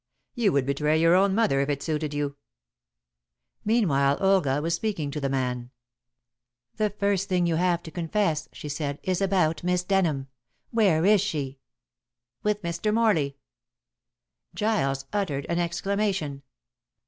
You would betray your own mother if it suited you." Meanwhile Olga was speaking to the man. "The first thing you have to confess," she said, "is about Miss Denham. Where is she?" "With Mr. Morley." Giles uttered an exclamation.